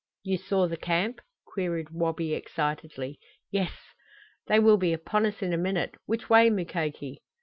"You saw the camp?" queried Wabi excitedly. "Yes." "They will be upon us in a minute! Which way, Mukoki?"